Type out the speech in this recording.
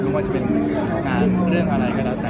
ไม่ว่าจะเป็นงานเรื่องอะไรก็แล้วแต่